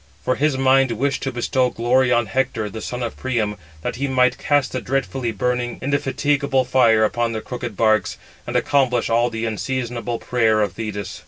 For his mind wished to bestow glory on Hector, the son of Priam, that he might cast the dreadfully burning, indefatigable fire upon the crooked barks; and accomplish all the unseasonable prayer of Thetis.